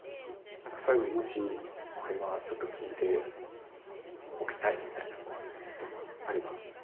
何か最後にもし「これはちょっと聞いておきたい」みたいなことがあれば。